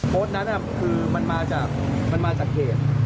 โพสต์นั้นคือมันมาจากเขต